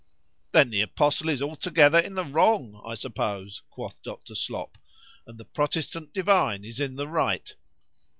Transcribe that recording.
[Then the apostle is altogether in the wrong, I suppose, quoth Dr. Slop, and the Protestant divine is in the right.